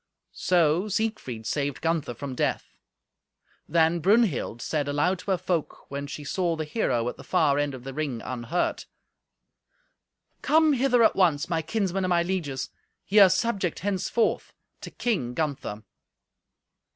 So Siegfried saved Gunther from death. Then Brunhild said aloud to her folk, when she saw the hero at the far end of the ring unhurt. "Come hither at once, my kinsmen and my lieges. Ye are subject henceforth to King Gunther."